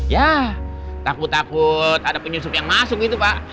ya takut takut ada penyusup yang masuk gitu pak